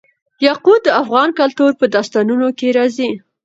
یاقوت د افغان کلتور په داستانونو کې راځي.